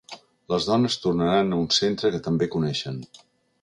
Les dones tornaran a un centre que també coneixen.